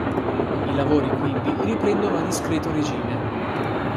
I lavori quindi riprendono a discreto regime.